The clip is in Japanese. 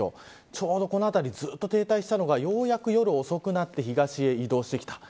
ちょうどこの辺りずっと停滞していたのがようやく夜遅くになって東へ移動してきた。